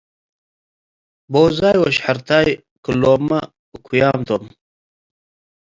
ቦዛይ ወሸሐርታይ ክሎምመ እኩያም ቶም።